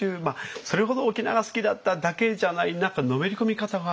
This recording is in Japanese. それほど沖縄が好きだっただけじゃない何かのめり込み方がすごいなと思って。